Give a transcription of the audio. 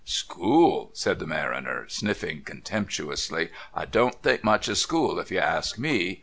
"School!" said the mariner, sniffing contemptuously. "I don't think much of school if you ask me.